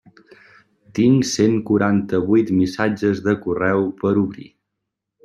Tinc cent quaranta-vuit missatges de correu per obrir.